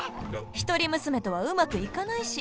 一人娘とはうまくいかないし。